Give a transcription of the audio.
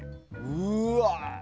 うわ。